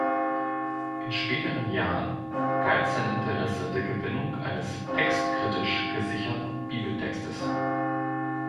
In späteren Jahren galt sein Interesse der Gewinnung eines textkritisch gesicherten Bibeltextes.